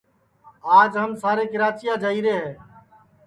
آج ہم سارے کراچیا جائیرے ہے